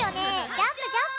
ジャンプ、ジャンプ！